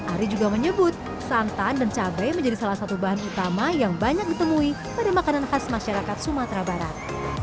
ari juga menyebut santan dan cabai menjadi salah satu bahan utama yang banyak ditemui pada makanan khas masyarakat sumatera barat